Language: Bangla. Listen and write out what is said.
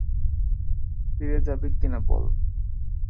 ফিরে যাবি কি না বল।